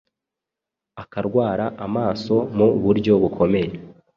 akarwara amaso mu buryo bukomeye.”